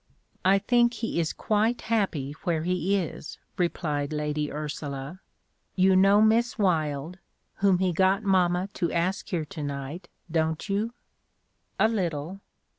"I think he is quite happy where he is," replied Lady Ursula. "You know Miss Wylde, whom he got mamma to ask here to night, don't you?" "A little.